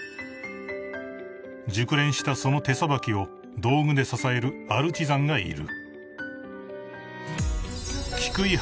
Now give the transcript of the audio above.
［熟練したその手さばきを道具で支えるアルチザンがいる］